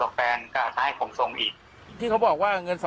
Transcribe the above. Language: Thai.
ค่าเทอมเอา๒๐๐๐บาทผมจ่ายให้เวลา๒๕๐๐๐บาท